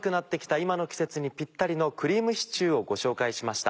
今の季節にピッタリのクリームシチューをご紹介しました。